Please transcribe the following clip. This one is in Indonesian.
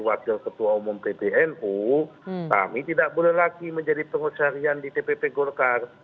wakil ketua umum pbnu kami tidak boleh lagi menjadi pengurus harian di tpp golkar